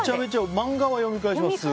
漫画はすごい読み返します。